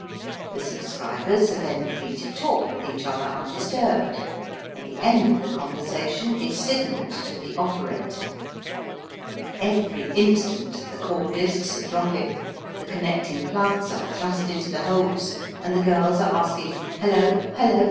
The subscribers are then free to talk with each other undisturbed, and the end of the conversation is signalled to the operator. Every instant the call discs are dropping, the connecting plugs are thrust into the holes, and the girls are asking "Hullo! hullo!"